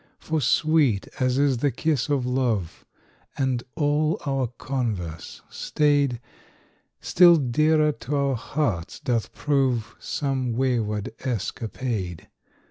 For sweet as is the kiss of love And all our converse staid, Still dearer to our hearts doth prove Some wayward escapade.